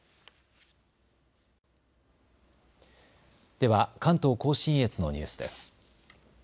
では関東甲信越のニュースです。